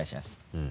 うん。